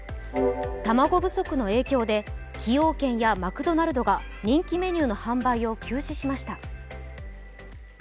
卵不足の影響で崎陽軒やマクドナルドが人気メニューの販売を休止しました。